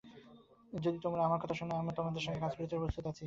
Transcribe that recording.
যদি তোমরা আমার কথা শোন, আমি তোমাদের সঙ্গে কাজ করিতে প্রস্তুত আছি।